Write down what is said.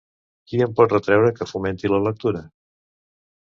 Qui em pot retreure que fomenti la lectura?